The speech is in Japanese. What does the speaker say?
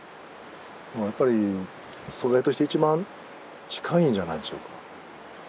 やっぱり素材として一番近いんじゃないでしょうか。